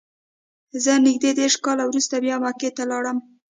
زه نږدې دېرش کاله وروسته بیا مکې ته لاړم.